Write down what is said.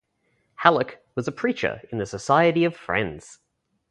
Hallock was a preacher in the Society of Friends.